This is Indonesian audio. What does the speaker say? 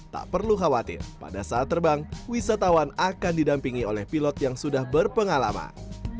tak perlu khawatir pada saat terbang wisatawan akan didampingi oleh pilot yang sudah berpengalaman